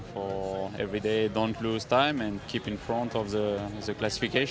setiap hari jangan kehilangan waktu dan tetap di depan klasifikasi